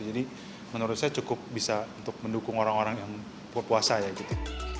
jadi menurut saya cukup bisa untuk mendukung orang orang yang berpuasa ya gitu